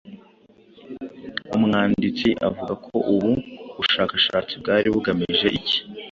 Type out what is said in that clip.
Umwanditsi avuga ko ubu bushakashatsi bwari bugamije iki?